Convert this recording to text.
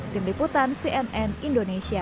tim liputan cnn indonesia